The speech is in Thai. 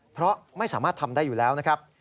เพราะไม่สามารถทำได้อยู่แล้วนะครับ